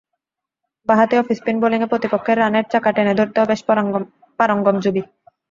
বাঁ হাতি অফস্পিন বোলিংয়ে প্রতিপক্ষের রানের চাকা টেনে ধরতেও বেশ পারঙ্গম যুবি।